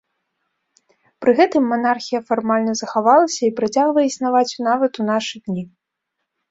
Пры гэтым манархія фармальна захавалася і працягвае існаваць нават у нашы дні.